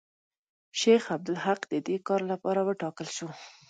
شیخ عبدالحق د دې کار لپاره وټاکل شو.